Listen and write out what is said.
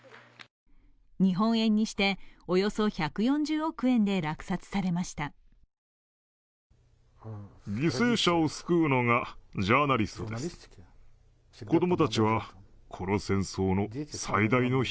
日本円にして、およそ１４０億円で落札されました。